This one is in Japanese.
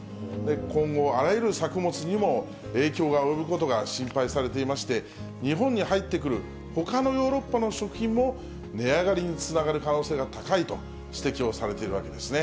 今後、あらゆる作物にも影響が及ぶことが心配されていまして、日本に入ってくるほかのヨーロッパの食品も値上がりにつながる可能性が高いと指摘をされているわけですね。